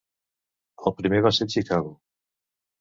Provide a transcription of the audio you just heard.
El primer va ser "Chicago".